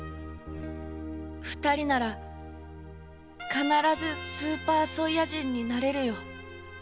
２人なら必ずスーパーソイヤ人になれるよ。